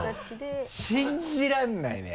信じられないね。